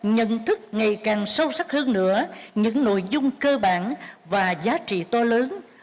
nhận thức ngày càng sâu sắc hơn nữa những nội dung cơ bản và giá trị to lớn